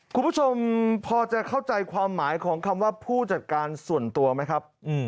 คุณผู้ชมพอจะเข้าใจความหมายของคำว่าผู้จัดการส่วนตัวไหมครับ